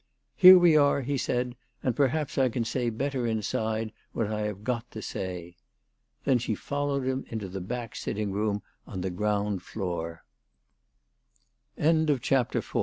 " Here we are," he said, " and perhaps I can say better inside what I have got to say." Then she fol lowed him into the back? sitting room on the ground floor. 310 THE T